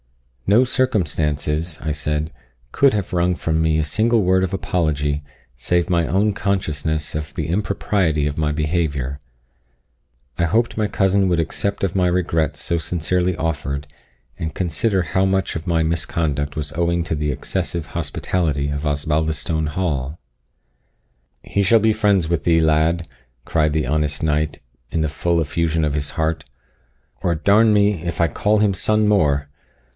"No circumstances," I said, "could have wrung from me a single word of apology, save my own consciousness of the impropriety of my behaviour. I hoped my cousin would accept of my regrets so sincerely offered, and consider how much of my misconduct was owing to the excessive hospitality of Osbaldistone Hall." "He shall be friends with thee, lad," cried the honest knight, in the full effusion of his heart; "or d n me, if I call him son more!